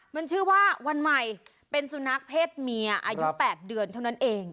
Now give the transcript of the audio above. มันชื่อว่าวันใหม่เป็นสุนัขเพศเมียอายุ๘เดือนเท่านั้นเอง